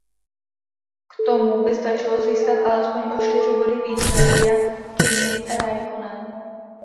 K tomu mu stačilo získat alespoň o čtyři body více jak Kimi Räikkönen.